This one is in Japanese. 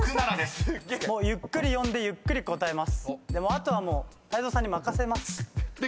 あとは泰造さんに任せます。